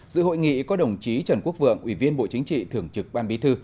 dự hội nghị có đồng chí trần quốc vượng ủy viên bộ chính trị thưởng trực ban bí thư